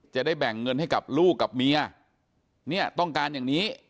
จะได้แบ่งเงินให้กับลูกกับเมียเนี่ยต้องการอย่างนี้